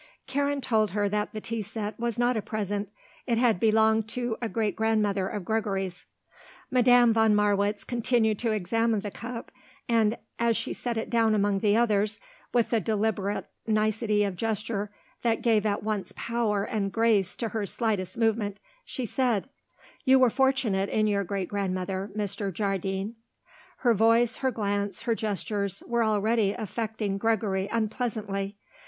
Karen told her that the tea set was not a present; it had belonged to a great grandmother of Gregory's. Madame von Marwitz continued to examine the cup and, as she set it down among the others, with the deliberate nicety of gesture that gave at once power and grace to her slightest movement, she said: "You were fortunate in your great grandmother, Mr. Jardine." Her voice, her glance, her gestures, were already affecting Gregory unpleasantly.